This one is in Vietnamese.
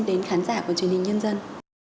đến khán giả của truyền hình nhân dân